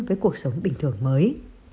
với cuộc sống bình thường mới